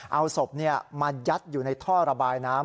เอาศพมายัดอยู่ในท่อระบายน้ำ